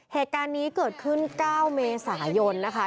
เหตุการณ์นี้เกิดขึ้น๙เมษายนนะคะ